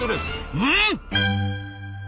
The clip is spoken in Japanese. うん！